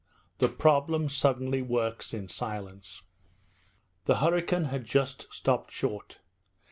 THE PROBLEM SUDDENLY WORKS IN SILENCE. The hurricane had just stopped short.